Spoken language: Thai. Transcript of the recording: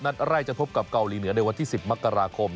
นัดแรกจะพบกับเกาหลีเหนือในวันที่๑๐มกราคม